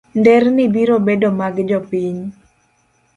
Nderni biro bedo mag jopiny.